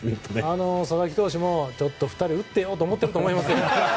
佐々木投手もちょっと２人打ってよと思ってると思いますよ。